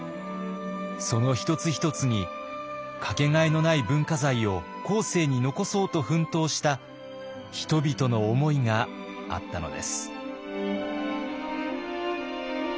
その一つ一つにかけがえのない文化財を後世に残そうと奮闘した人々の思いがあったのです。